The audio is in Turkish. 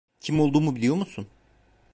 Kim olduğumu biliyor musun?